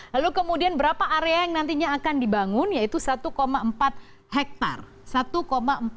lalu kemudian berapa area yang nantinya akan dibangun yaitu satu empat hektare